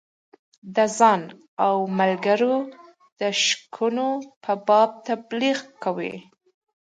د ځان او ملګرو د ښیګڼو په باب تبلیغ کوي.